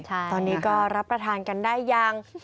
ตอนนี้ก็รับประทานกันได้ยัง